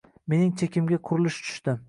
Mening chekimga qurilish tushdi.